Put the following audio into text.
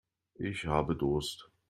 Ich habe Durst.